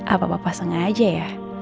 apa papa sengaja ya